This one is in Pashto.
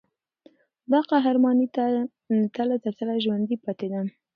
دا قهرماني تله ترتله ژوندي پاتې ده.